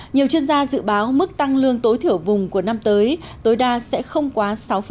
nhiều chuyên gia dự báo mức tăng lương tối thiểu vùng của năm tới tối đa sẽ không quá sáu